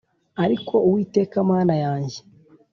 Ariko Uwiteka Mana yanjye